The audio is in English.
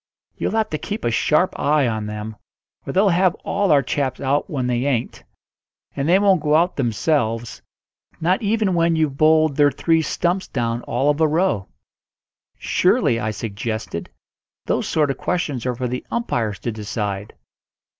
You'll have to keep a sharp eye on them, or they'll have all our chaps out when they ain't; and they won't go out themselves, not even when you've bowled their three stumps down all of a row." "Surely," I suggested, "those sort of questions are for the umpires to decide."